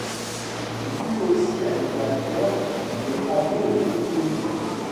Il fut aussi animateur de radio et de télévision.